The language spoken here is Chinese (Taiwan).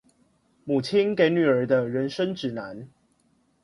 母親給女兒的人生指南